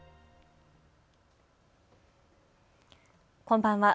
こんばんは。